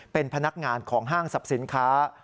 เป็นพนักงานของห้างสรรพสินค้า